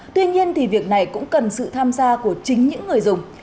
tuy nhiên thì việc này cũng cần sự tham gia của chính những người dùng